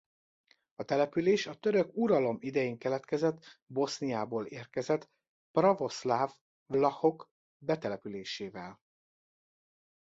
A település a török uralom idején keletkezett Boszniából érkezett pravoszláv vlachok betelepülésével.